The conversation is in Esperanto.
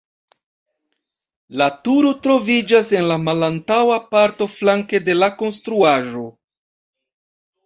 La turo troviĝas en la malantaŭa parto flanke de la konstruaĵo.